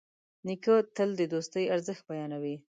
نیکه تل د دوستي ارزښت بیانوي.